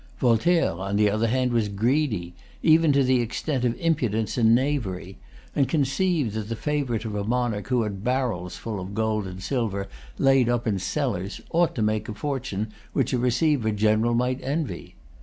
Voltaire, on the other hand, was greedy, even to the extent of impudence and knavery; and conceived that the favorite of a monarch who had barrels full of gold and silver laid up in cellars ought to make a fortune which a receiver general might envy.